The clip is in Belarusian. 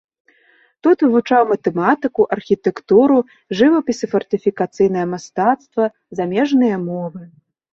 Тут вывучаў матэматыку, архітэктуру, жывапіс і фартыфікацыйнае мастацтва, замежныя мовы.